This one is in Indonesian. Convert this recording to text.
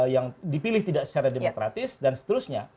yang dipilih tidak secara demokratis dan seterusnya